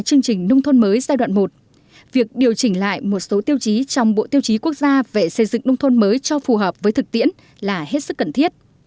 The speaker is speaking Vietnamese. chương trình nông thôn mới giai đoạn một việc điều chỉnh lại một số tiêu chí trong bộ tiêu chí quốc gia về xây dựng nông thôn mới cho phù hợp với thực tiễn là hết sức cần thiết